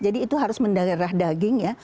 jadi itu harus mendarah daging ya